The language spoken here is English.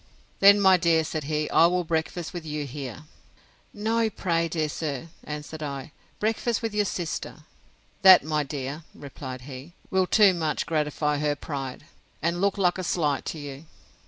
Then, my dear, said he, I will breakfast with you here. No, pray, dear sir, answered I, breakfast with your sister. That, my dear, replied he, will too much gratify her pride, and look like a slight to you.